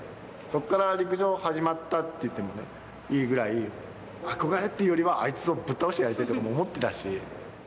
そこから陸上が始まったって言ってもいいぐらい、憧れっていうよりは、あいつをぶっ倒してやりたいとか思ってたし。